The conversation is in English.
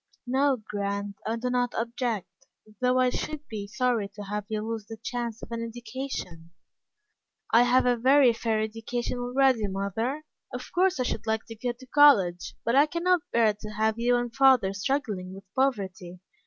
"No, Grant, I don't object, though I should be sorry to have you lose the chance of an education." "I have a very fair education already, mother. Of course I should like to go to college, but I can't bear to have you and father struggling with poverty.